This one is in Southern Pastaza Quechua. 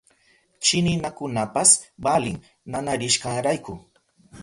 Chinikunapas valin nanarishkarayku.